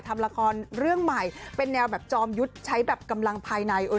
ทำละครเรื่องใหม่เป็นแนวแบบจอมยุทธ์ใช้แบบกำลังภายใน